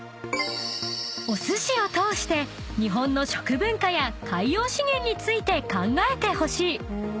［お寿司を通して日本の食文化や海洋資源について考えてほしい］